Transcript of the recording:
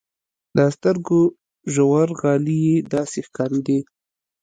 د سترګو ژورغالي يې داسې ښکارېدې.